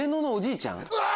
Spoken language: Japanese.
うわ！